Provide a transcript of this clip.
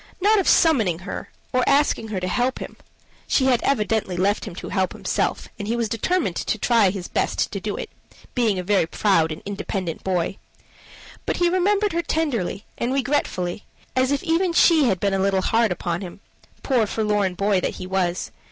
Not of summoning her, or asking her to help him, she had evidently left him to help himself, and he was determined to try his best to do it, being a very proud and independent boy, but he remembered her tenderly and regret fully, as if even she had been a little hard upon him poor, forlorn boy that he was.